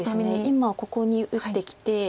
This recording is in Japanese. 今ここに打ってきて。